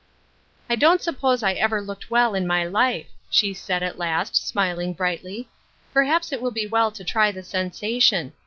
" I don't suppose I ever looked well in my life," she said at last, smiling brightly. "Per haps it would be well to try the sensation.